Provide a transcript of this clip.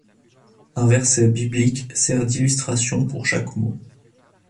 Un verset biblique sert d'illustration pour chaque mot.